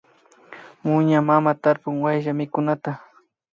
Muña mama tarpun wayllamikunata